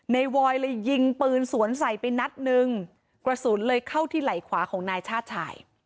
วอยเลยยิงปืนสวนใส่ไปนัดหนึ่งกระสุนเลยเข้าที่ไหล่ขวาของนายชาติชาย